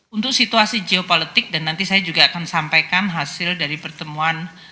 untuk situasi geopolitik dan nanti saya juga akan sampaikan hasil dari pertemuan